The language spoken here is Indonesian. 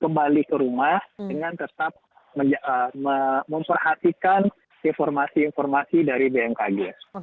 kembali ke rumah dengan tetap memperhatikan informasi informasi dari bmkg